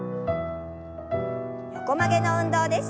横曲げの運動です。